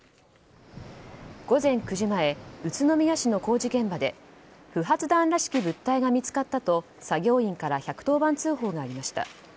午前９時前宇都宮市の工事現場で不発弾らしき物体が見つかったと作業員から１１０番通報がありました。